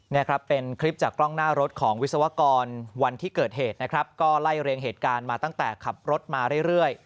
นี่ครับเป็นคลิปจากกล้องหน้ารถของวิศวกรวันที่เกิดเหตุนะครับก็ไล่เรียงเหตุการณ์มาตั้งแต่ขับรถมาเรื่อย